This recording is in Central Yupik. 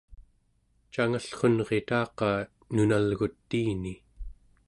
cangallrunritaqa nunalgutiini